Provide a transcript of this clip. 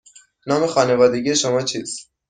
نام خانوادگی شما چیست؟